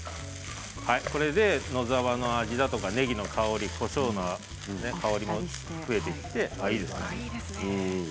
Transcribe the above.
これで野沢菜の味だとかねぎの香りこしょうの香りも増えてきて完璧だと思います。